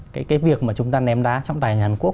cái việc mà chúng ta ném đá trọng tài hàn quốc